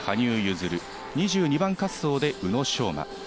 ２１番滑走で羽生結弦、２２番滑走で宇野昌磨。